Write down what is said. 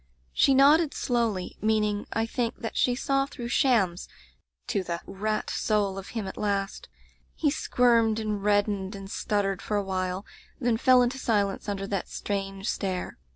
"She nodded slowly; meaning, I think, that she saw through shams to the rat soul of him at last. He squirmed and reddened and stuttered for awhile, then fell into silence under that strange stare.